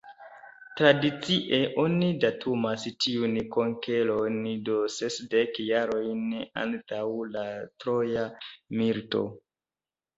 Tradicie oni datumas tiun konkeron de sesdek jarojn antaŭ la Troja milito.